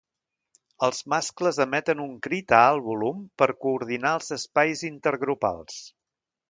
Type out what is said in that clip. Els mascles emeten un crit a alt volum per coordinar els espais intergrupals.